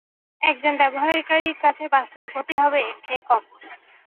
একজন ব্যবহারকারীর কাছে বাস্তবিক গতি হবে এর চেয়ে কম।